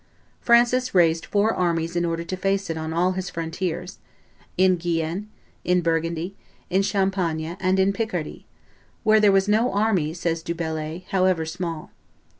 Francis raised four armies in order to face it on all his frontiers, in Guienne, in Burgundy, in Champagne, and in Picardy, "where there was no army," says Du Bellai, "however small."